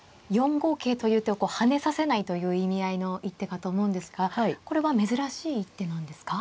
４五桂という手をこう跳ねさせないという意味合いの一手かと思うんですがこれは珍しい一手なんですか。